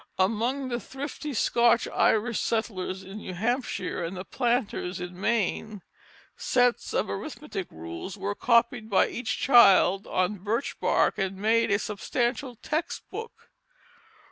Among the thrifty Scotch Irish settlers in New Hampshire and the planters in Maine, sets of arithmetic rules were copied by each child on birch bark and made a substantial text book.